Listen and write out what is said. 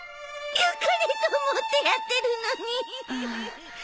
良かれと思ってやってるのに。